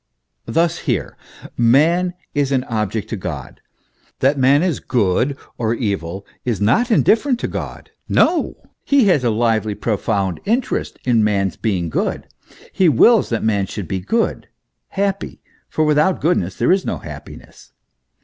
Thus here. Alan is an object to God. That man is good or evil is not indif ferent to God ; no ! He has a lively, profound interest in man's being good ; he wills that man should be good, happy for without goodness there is no happiness.